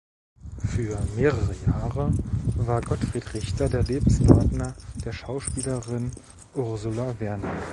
Für mehrere Jahre war Gottfried Richter der Lebenspartner der Schauspielerin Ursula Werner.